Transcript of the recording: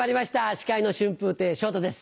司会の春風亭昇太です。